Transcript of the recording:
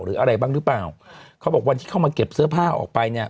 หรืออะไรบ้างหรือเปล่าเขาบอกวันที่เข้ามาเก็บเสื้อผ้าออกไปเนี่ย